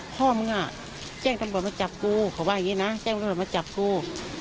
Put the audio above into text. พ่อมึงอ่ะแจ้งตำรวจมาจับกูเขาว่าอย่างนี้นะแจ้งตำรวจมาจับกู